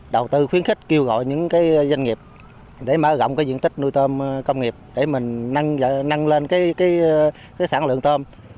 đầu tư khuyến khích kêu gọi những cái doanh nghiệp để mở rộng cái diện tích nuôi tôm công nghiệp để mình năng lên cái sản lượng tôm